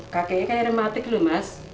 kakeknya kayak rematik loh mas